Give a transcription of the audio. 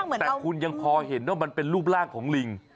แต่คุณยังพอเห็นว่ามันเป็นรูปร่างของลิง